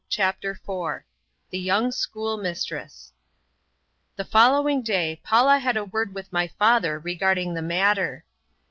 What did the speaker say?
CHAPTER FOUR THE YOUNG SCHOOL MISTRESS The following day Paula had a word with my father regarding the matter.